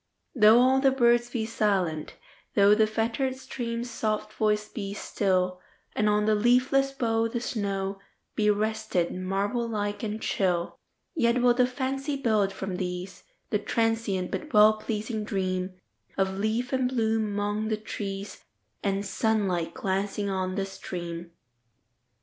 Though all the birds be silent,—thoughThe fettered stream's soft voice be still, And on the leafless bough the snowBe rested, marble like and chill,—Yet will the fancy build, from these, The transient but well pleasing dreamOf leaf and bloom among the trees, And sunlight glancing on the stream.